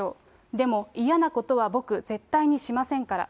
でも、嫌なことは僕、絶対にしませんから。